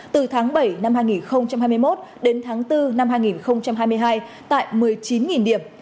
từ tháng bảy năm hai nghìn hai mươi một đến tháng bốn năm hai nghìn hai mươi hai tại một mươi chín điểm